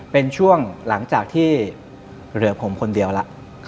เป็นช่วงหลังจากที่เหลือผมคนเดียวแล้ว